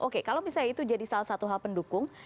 oke kalau misalnya itu jadi salah satu hal pendukung